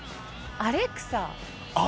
アレクサ？